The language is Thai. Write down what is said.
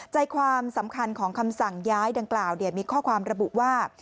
ใจความสำคัญของคำสั่งย้ายดังกล่าวมีข้อความระบุว่า